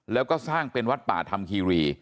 แล้วก็สร้างเป็นวัดป่าธรรมคีรี